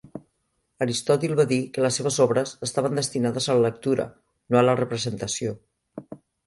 Aristòtil va dir que les seves obres estaven destinades a la lectura, no a la representació.